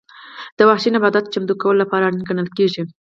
د وحشي نباتاتو چمتو کولو لپاره اړین ګڼل کېږي.